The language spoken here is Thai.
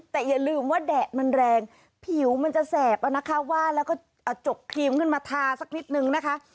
แต่อย่าลืมว่าแดดมันแรงผิวมันจะแสบนะคะว่าแล้วก็เอาจกครีมขึ้นมาทาสักนิดนึงนะคะ